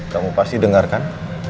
kamu pasti dengarkan